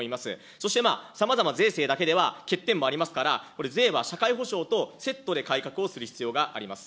そしてさまざま税制だけでは欠点もありますから、これ、税は社会保障とセットで改革をする必要があります。